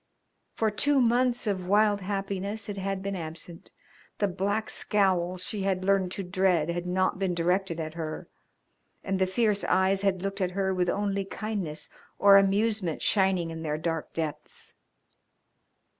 For two months of wild happiness it had been absent, the black scowl she had learned to dread had not been directed at her, and the fierce eyes had looked at her with only kindness or amusement shining in their dark depths.